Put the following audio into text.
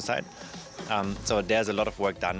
jadi ada banyak kerja yang dilakukan